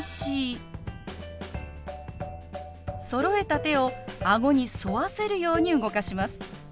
そろえた手を顎に沿わせるように動かします。